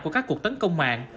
của các cuộc tấn công mạng